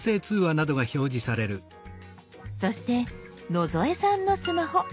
そして野添さんのスマホ。